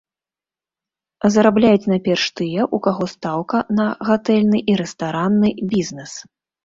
Зарабляюць найперш тыя, у каго стаўка на гатэльны і рэстаранны бізнес.